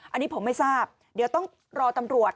อันนี้ผมไม่ทราบเดี๋ยวต้องรอตำรวจ